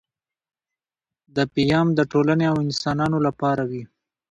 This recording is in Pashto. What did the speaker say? دا پیام د ټولنې او انسانانو لپاره وي